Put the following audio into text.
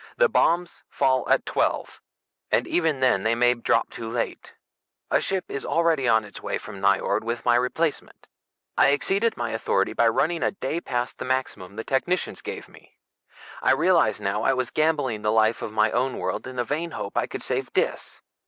The bombs fall at twelve, and even then they may drop too late. A ship is already on its way from Nyjord with my replacement. I exceeded my authority by running a day past the maximum the technicians gave me. I realize now I was gambling the life of my own world in the vain hope I could save Dis.